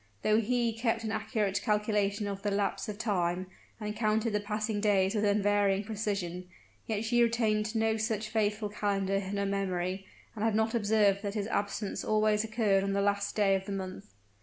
Though he kept an accurate calculation of the lapse of time, and counted the passing days with unvarying precision, yet she retained no such faithful calendar in her memory, and had not observed that his absence always occurred on the last day of the month.